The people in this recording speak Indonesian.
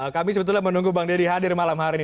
kami sebetulnya menunggu bang deddy hadir malam hari ini